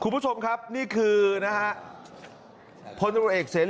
คุณผู้ชมครับนี่คือนะคะ